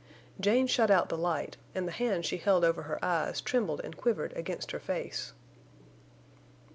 Jane shut out the light, and the hands she held over her eyes trembled and quivered against her face.